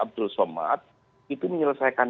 abdul somad itu menyelesaikan